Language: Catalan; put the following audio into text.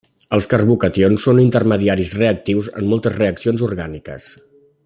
Els carbocations són intermediaris reactius en moltes reaccions orgàniques.